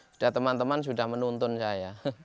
sudah teman teman sudah menuntun saya